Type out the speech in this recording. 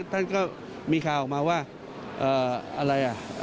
ท่านก็มีข่าวออกมาว่าอะไรอ่ะ